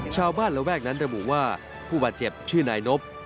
ชาวบ้านและแบกนั้นเรียกผู้บาดเจ็บชื่อนายนบ